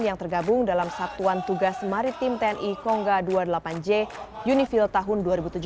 yang tergabung dalam satuan tugas maritim tni kongga dua puluh delapan j unifil tahun dua ribu tujuh belas